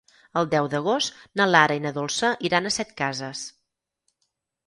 El deu d'agost na Lara i na Dolça iran a Setcases.